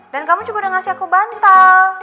dan kamu juga udah ngasih aku bantal